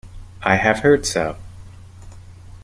I have heard so.